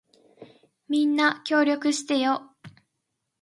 みんな、協力してよ。